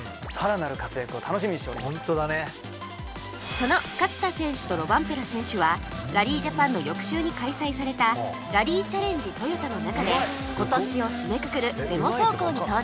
その勝田選手とロバンペラ選手はラリージャパンの翌週に開催されたラリーチャレンジ豊田の中で今年を締めくくるデモ走行に登場